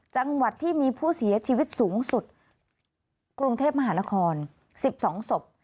จังหวัดที่มีผู้เสียชีวิตสูงสุดกรุงเทพมหานคร๑๒ศพ